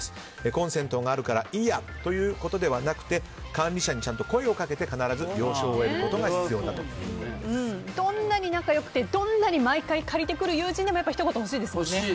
コンセントがあるからいいやということではなくて管理者に声をかけて了承を得ることがどんなに仲良くてどんなに毎回借りてくる友人でもやっぱり、ひと言ほしいですね。